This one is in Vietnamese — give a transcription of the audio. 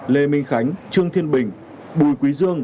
lê minh khánh trương thiên bình bùi quý dương